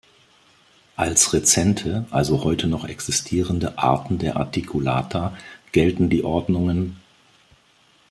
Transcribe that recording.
Als rezente, also heute noch existierende Arten der Articulata gelten die Ordnungen